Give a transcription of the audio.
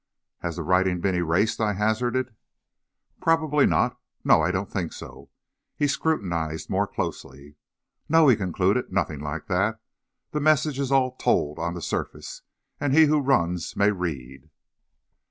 "Has the writing been erased?" I hazarded. "Probably not. No. I don't think so." He scrutinized more closely. "No," he concluded, "nothing like that. The message is all told on the surface, and he who runs may read."